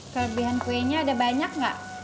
kelebihan kuenya ada banyak nggak